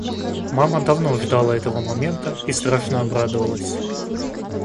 Мама давно ждала этого момента и страшно обрадовалась.